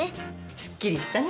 すっきりしたね。